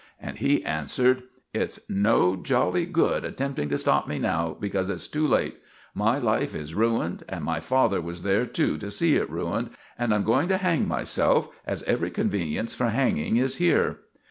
And he answered: "It's no jolly good attempting to stop me now, because it's too late. My life is ruined, and my father was there too to see it ruined; and I'm going to hang myself, as every convenience for hanging is here."